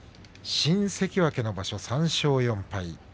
新関脇の場所、３勝４敗。